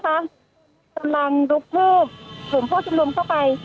จะจำลังลุกลืมถึงพวกคุณรุมเข้าไป